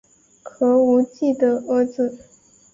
何无忌的儿子。